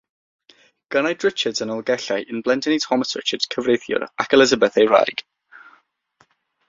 Ganwyd Richards yn Nolgellau yn blentyn i Thomas Richards, cyfreithiwr, ac Elizabeth ei wraig.